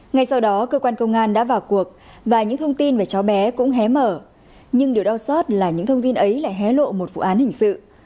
ngay sau đó cơ quan công an đã vào cuộc và những thông tin về cháu bé cũng hé mở nhưng điều đau xót là những thông tin ấy lại hé lộ một vụ án hình sự